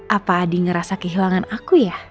apa adi ngerasa kehilangan aku ya